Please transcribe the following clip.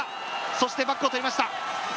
そしてバックをとりました。